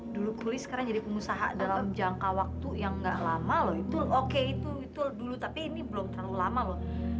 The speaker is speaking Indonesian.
dulu kuliah sekarang jadi pengusaha dalam jangka waktu yang gak lama loh itu oke itu dulu tapi ini belum terlalu lama loh